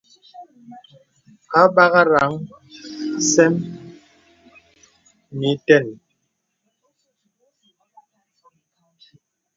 Àbakraŋ sə̀m mə ìtəŋ.